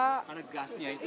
ada gasnya itu